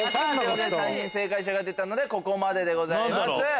３人正解者が出たのでここまででございます。